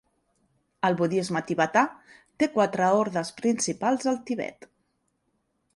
El budisme tibetà té quatre ordes principals al Tibet.